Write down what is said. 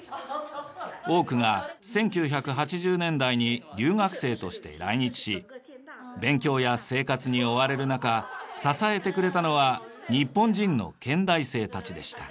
多くが１９８０年代に留学生として来日し勉強や生活に追われるなか支えてくれたのは日本人の建大生たちでした。